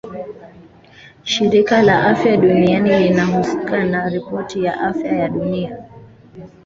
Shirika la afya duniani linahusika na ripoti ya afya ya dunia